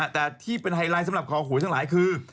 แต่ที่เป็นไฮไลท์สำหรับคอหวยทั้งหลายคือ